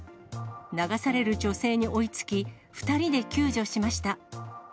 流される女性に追いつき、２人で救助しました。